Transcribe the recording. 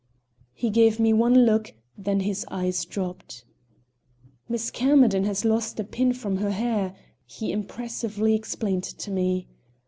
He gave me one look, then his eyes dropped. "Miss Camerden has lost a pin from her hair," he impressively explained to me.